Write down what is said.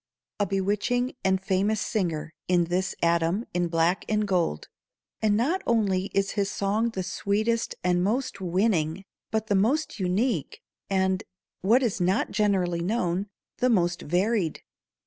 A bewitching and famous singer is this atom in black and gold. And not only is his song the sweetest and most winning, but the most unique, and what is not generally known the most varied.